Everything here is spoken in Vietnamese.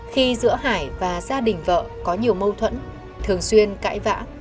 khi giữa hải và gia đình vợ có nhiều mâu thuẫn thường xuyên cãi vã